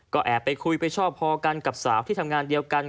ก็แอบไปคุยไปชอบพอกันกับสาวที่ทำงานเดียวกัน